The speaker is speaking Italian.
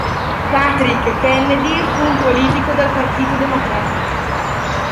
Patrick Kennedy fu un politico del Partito Democratico.